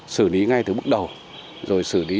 xử lý ngay từ bước đầu rồi xử lý